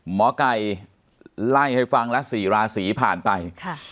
หมอไก่ไล่ให้ฟังราศรีราศรีผ่านไปค่ะ